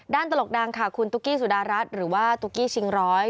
ตลกดังค่ะคุณตุ๊กกี้สุดารัฐหรือว่าตุ๊กกี้ชิงร้อย